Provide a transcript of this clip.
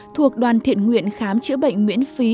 thuộc đoàn thiện nguyện khám chữa bệnh nguyễn phí